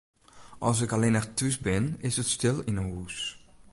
As ik allinnich thús bin, is it stil yn 'e hûs.